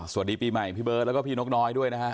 ปีใหม่พี่เบิร์ตแล้วก็พี่นกน้อยด้วยนะฮะ